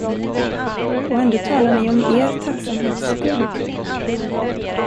Och ändå talar ni om er tacksamhetsskuld?